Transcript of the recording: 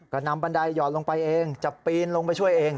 ก็นำบันไดหยอดลงไปเองจะปีนลงไปช่วยเอง